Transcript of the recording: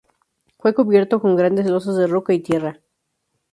Fue cubierto con grandes losas de roca y tierra.